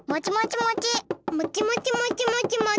もちもちもちもちもち？